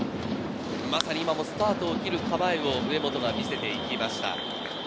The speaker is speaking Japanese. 今もスタートを切る構えを上本が見せていきました。